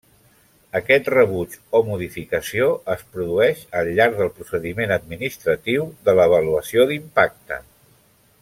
Aquest rebuig o modificació es produeix al llarg del procediment administratiu de l'avaluació d'impacte.